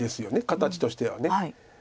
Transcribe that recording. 形としては。